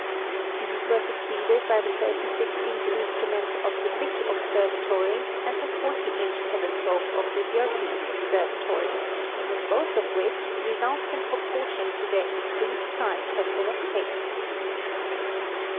These were succeeded by the 36 inch instrument of the Lick Observatory and the 40 inch tele scope of the Yerkes Observatory, with both of which re sults in proportion to their increased size have been obtained.